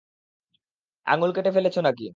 আঙুল কেটে ফেলেছ নাকি?